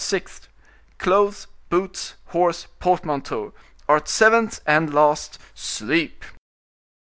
6th, clothes, boots, horse, portmanteau; Art. 7th and last, sleep."